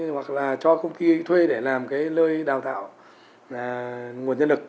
hoặc là cho công ty thuê để làm cái lơi đào tạo nguồn nhân lực